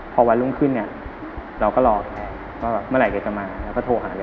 พอวันรุ่งขึ้นเราก็รอแกว่าเมื่อไหร่จะมาเราก็โทรหาแก